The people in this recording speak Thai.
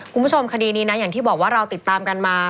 คุณผู้ชมคดีนี้นะอย่างที่บอกว่าเราติดตามกันมา